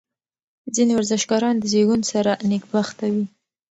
ځینې ورزشکاران د زېږون سره نېکبخته وي.